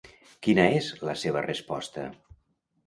Quina és la seva resposta?